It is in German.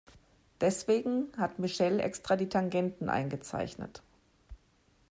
Deswegen hat Michelle extra die Tangenten eingezeichnet.